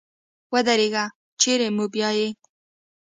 ودرېږه چېري مو بیایې ؟